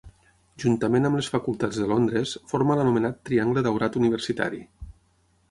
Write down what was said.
Juntament amb les facultats de Londres, forma l'anomenat triangle daurat universitari.